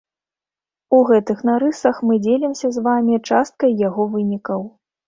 У гэтых нарысах мы дзелімся з вамі часткай яго вынікаў.